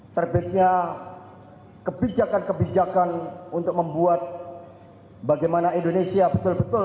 terbitnya kebijakan kebijakan untuk membuat bagaimana indonesia betul betul